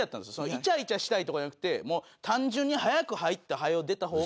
イチャイチャしたいとかじゃなくて単純に早く入って早う出た方が。